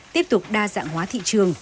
tiếp tục đa dạng hóa thị trường